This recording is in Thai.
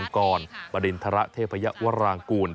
การแถนการนอน